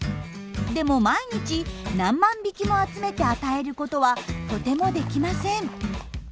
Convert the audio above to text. でも毎日何万匹も集めて与えることはとてもできません。